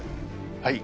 はい。